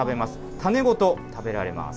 種ごと食べられます。